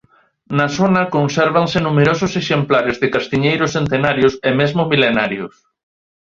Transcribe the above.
Na zona consérvase numerosos exemplares de castiñeiros centenarios e mesmo milenarios.